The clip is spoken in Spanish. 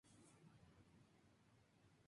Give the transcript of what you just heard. En muchos contextos se considera sinónimo de taller.